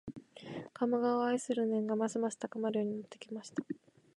鴨川を愛する念がますます高まるようになってきました